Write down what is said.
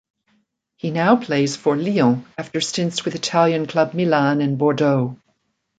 He now plays for Lyon after stints with Italian club Milan and Bordeaux.